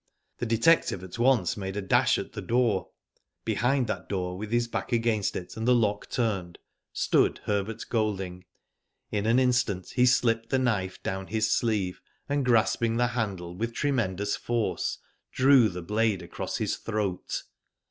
The detective at once made a dash at the doon Digitized byGoogk AFTER THE VICTORY. 281 Behind that door, with his back against it and the lock turned, stood Herbert Golding. In an instant he slipped the knife down his sleeve, and, grasping the handle, with tremendous force drew the blade across his throat.